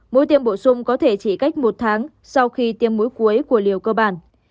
mũi tiêm bổ sung có thể chỉ cách một tháng sau khi tiêm mũi cuối của liều cơ bản